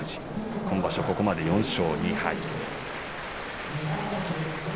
今場所、ここまで４勝２敗です。